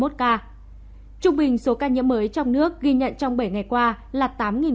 trung bình số ca nhiễm mới trong nước ghi nhận trong bảy ngày qua là tám sáu mươi năm ca một ngày